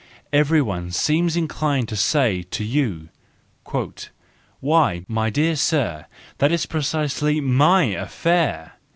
Everyone seems inclined to say to you: "Why, my dear Sir, that is precisely my affair!